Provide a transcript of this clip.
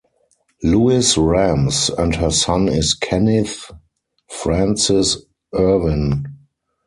Louis Rams, and her son is Kenneth Francis Irwin.